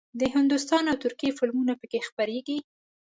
د هندوستان او ترکیې فلمونه پکې خپرېږي.